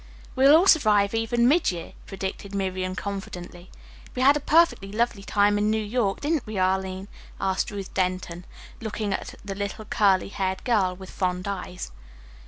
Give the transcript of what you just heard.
"We'll all survive even mid year," predicted Miriam confidently. "We had a perfectly lovely time in New York, didn't we, Arline?" asked Ruth Denton, looking at the little curly haired girl with fond eyes.